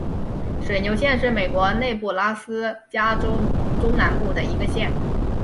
水牛县是美国内布拉斯加州中南部的一个县。